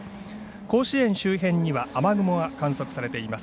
甲子園周辺には雨雲が観測されています。